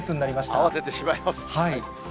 慌ててしまいます。